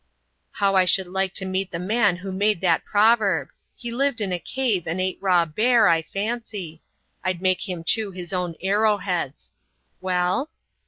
"How I should like to meet the man who made that proverb! He lived in a cave and ate raw bear, I fancy. I'd make him chew his own arrow heads. Well?"